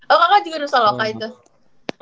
oh kakak juga nusa loka itu